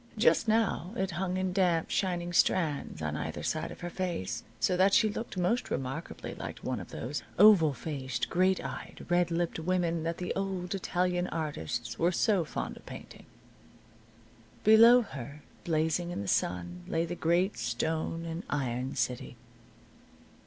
Just now it hung in damp, shining strands on either side of her face, so that she looked most remarkably like one of those oval faced, great eyed, red lipped women that the old Italian artists were so fond of painting. Below her, blazing in the sun, lay the great stone and iron city.